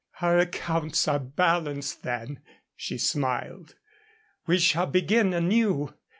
"Our accounts are balanced, then," she smiled. "We shall begin anew.